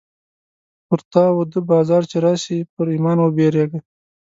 پر تا وده بازار چې راسې ، پر ايمان وبيرېږه.